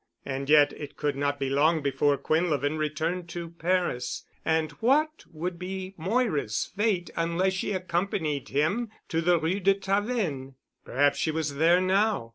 And yet it could not be long before Quinlevin returned to Paris, and what would be Moira's fate unless she accompanied him to the Rue de Tavennes? Perhaps she was there now.